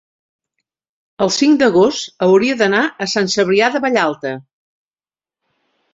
el cinc d'agost hauria d'anar a Sant Cebrià de Vallalta.